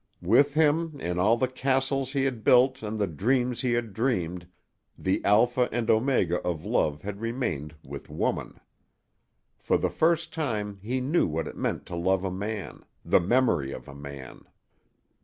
With him, in all the castles he had built and the dreams he had dreamed, the alpha and omega of love had remained with woman. For the first time he knew what it meant to love a man the memory of a man.